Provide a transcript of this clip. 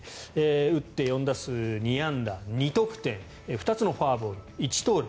打って４打数２安打２得点２つのフォアボール１盗塁。